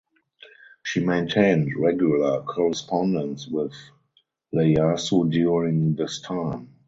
She maintained regular correspondence with Ieyasu during this time.